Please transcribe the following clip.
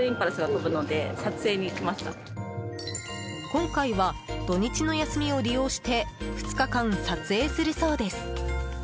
今回は土日の休みを利用して２日間、撮影するそうです。